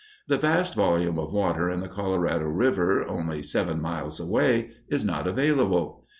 The vast volume of water in the Colorado River, only seven miles away, is not available.